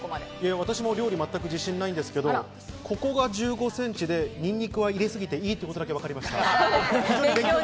私も料理全く自信ないんですけど、ここが１５センチで、ニンニクは入れすぎていいってことがわかりました。